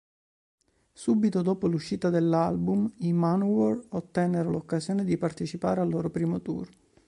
Subito dopo l'uscita dell'album, i Manowar ottennero l'occasione di partecipare al loro primo tour.